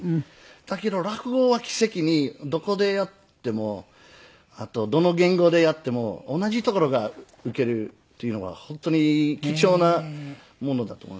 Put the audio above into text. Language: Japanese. だけど落語は奇跡にどこでやってもあとどの言語でやっても同じところがウケるっていうのが本当に貴重なものだと思います。